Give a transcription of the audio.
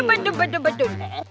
bedung bedung bedung